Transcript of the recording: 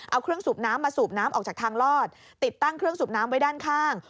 เอาเครื่องสูบน้ำมาสูบน้ำออกจากทางลอดติดตั้งเครื่องสูบน้ำไว้ด้านข้าง